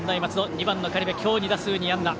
２番の苅部、今日２打数２安打。